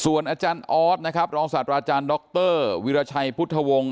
อาจารย์ออสนะครับรองศาสตราอาจารย์ดรวิราชัยพุทธวงศ์